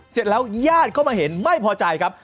เสร็จแล้วญาติเข้ามาเห็นไม่พอใจครับ